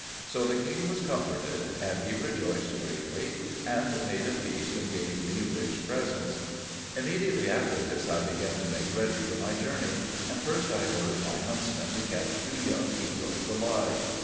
So the king was comforted; he rejoiced greatly, and made a feast, and gave me rich presents. Immediately after this, I began to make ready for my journey; and first I ordered my huntsmen to catch two young eagles alive.